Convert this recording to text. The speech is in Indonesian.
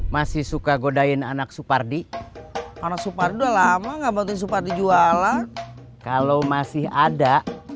masih suka godain anak supardi anak supardi udah lama nggak bantuin supardi jualan kalau masih ada